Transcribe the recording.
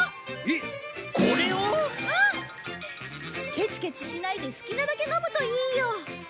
ケチケチしないで好きなだけ飲むといいよ。